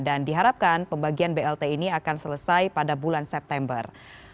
dan diharapkan pembagian blt ini akan selesai pada bulan september